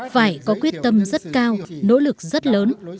phải có quyết tâm rất cao nỗ lực rất lớn